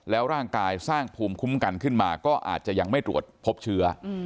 แล้วร่างกายสร้างภูมิคุ้มกันขึ้นมาก็อาจจะยังไม่ตรวจพบเชื้อ